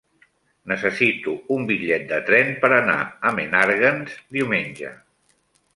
Necessito un bitllet de tren per anar a Menàrguens diumenge.